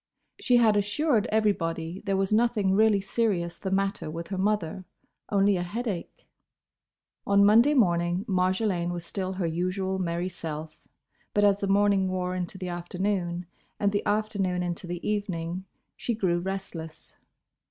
She had assured everybody there was nothing really serious the matter with her mother: only a headache. On Monday morning Marjolaine was still her usual merry self, but as the morning wore into the afternoon and the afternoon into the evening she grew restless.